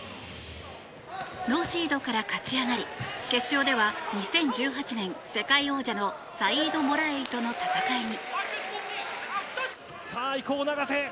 ノーシードから勝ち上がり決勝では２０１８年世界王者のサイード・モラエイとの戦いに。